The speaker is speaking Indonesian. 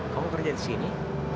kamu kerja disini